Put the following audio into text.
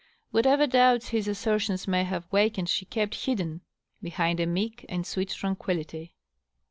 Whatever doubts his assertions may have wakened she kept hidden behind a meek and sweet tranquillity.